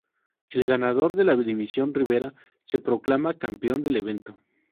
El ganador de la División Riviera se proclama campeón del evento.